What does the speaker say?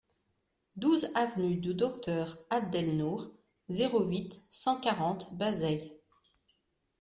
douze avenue du Docteur Abd El Nour, zéro huit, cent quarante, Bazeilles